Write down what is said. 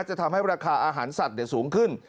จะทำให้ราคาอาหารสัตว์สูงขึ้น